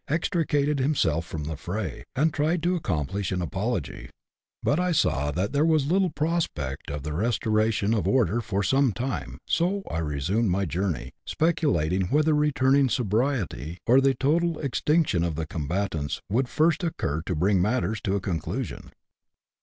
29 extricated himself from the fray, and tried to accomplish an apology ; but I saw that there was little prospect of the re storation of order for some time, so I resumed my journey, speculating whether returning sobriety, or the total extinction of the combatants, would first occur to bring matters to a con clusion.